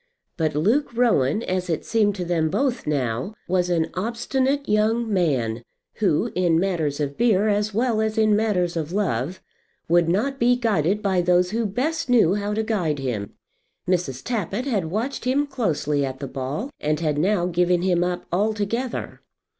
But Luke Rowan, as it seemed to them both now, was an obstinate young man, who, in matters of beer as well as in matters of love, would not be guided by those who best knew how to guide him. Mrs. Tappitt had watched him closely at the ball, and had now given him up altogether.